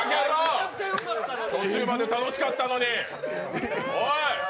途中まで楽しかったのに、おい！